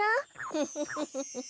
フフフフフ。